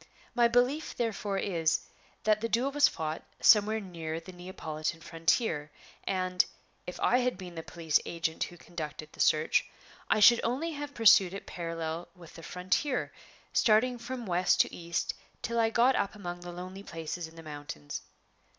My belief therefore is, that the duel was fought somewhere near the Neapolitan frontier; and, if I had been the police agent who conducted the search, I should only have pursued it parallel with the frontier, starting from west to east till I got up among the lonely places in the mountains.